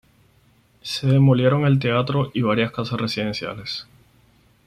Se demolieron el teatro y varias casas residenciales.